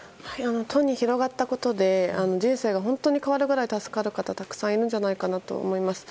都に広がったことで人生が本当に変わるぐらい助かる方もたくさんいるんじゃないかなと思います。